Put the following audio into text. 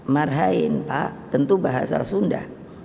marhain pak tentu bahasa sunda